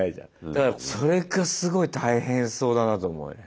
だからそれがすごい大変そうだなと思うよね。